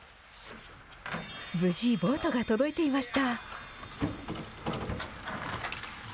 無事、ボートが届いていました。